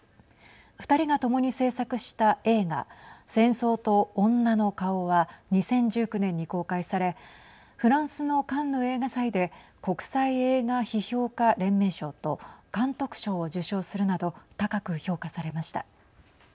２人が共に制作した映画「戦争と女の顔」は２０１９年に公開されフランスのカンヌ映画祭で国際映画批評家連盟賞と監督賞を受賞するなど高く評価されました。